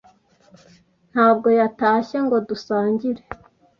ntabwo yatashye ngo dusangire.